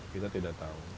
kita tidak tahu